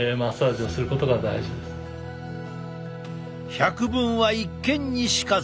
「百聞は一見にしかず」。